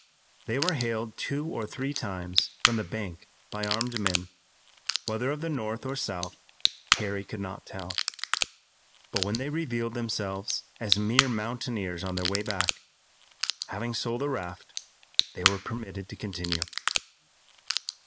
They were hailed two or three times from the bank by armed men, whether of the North or South Harry could not tell, but when they revealed themselves as mere mountaineers on their way back, having sold a raft, they were permitted to continue.